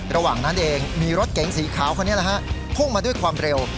ระหว่างนั้นเองมีรถเก๋งสีขาวคนนี้แหละฮะพุ่งมาด้วยความเร็ว